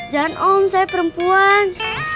jangan om saya perempuan